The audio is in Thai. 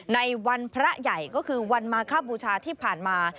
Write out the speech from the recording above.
ในวันพระใหญ่ก็คือวันมาคบูชาที่ผ่านมา